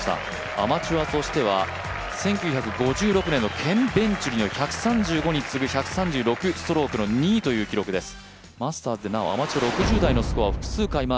アマチュアとしては１９６５年のケン・ベンチュリーの１３５に次ぐ１３６ストロークの２位という記録です。